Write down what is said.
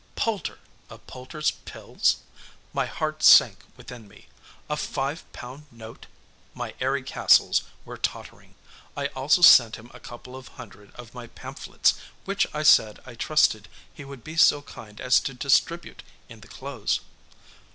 Poulter of Poulter's Pills! My heart sank within me! A five pound note! My airy castles were tottering! "I also sent him a couple of hundred of my pamphlets, which I said I trusted he would be so kind as to distribute in the close."